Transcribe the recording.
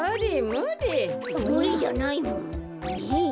むりじゃないもん。